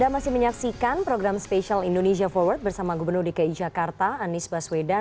jangan lupa like share dan subscribe